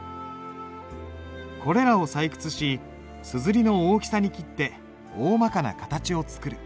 これらを採掘し硯の大きさに切っておおまかな形を作る。